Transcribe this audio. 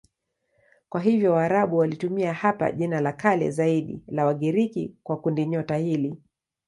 Kwa hiyo Waarabu walitumia hapa jina la kale zaidi la Wagiriki kwa kundinyota hili.